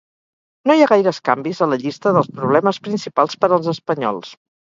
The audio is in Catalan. No hi ha gaires canvis a la llista dels problemes principals per als espanyols.